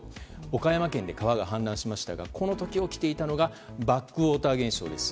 岡山県で川が氾濫しましたがこの時、起きていたのがバックウォーター現象です。